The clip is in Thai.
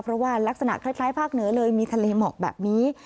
เพราะว่ารักษณะคล้ายภาคเหนือเลยมีทะเลหมอกแบบนี้